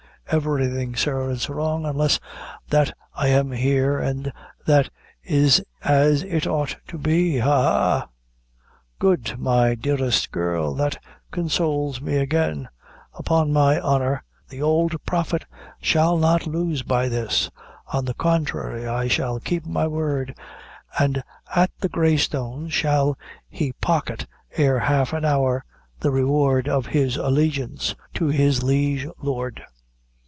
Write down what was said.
"Everything, sir, is wrong, unless that I am here, an' that is as it ought to be. Ha, ha!" "Good, my dearest girl that consoles me again. Upon my honor, the old Prophet shall not lose by this; on the contrary, I shall keep my word like a prince, and at the Grey Stone shall he pocket, ere half an hour, the reward of his allegiance to his liege lord.